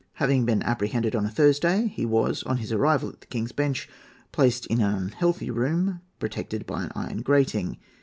Having been apprehended on a Thursday, he was, on his arrival at the King's Bench, placed in an unhealthy room protected by an iron grating.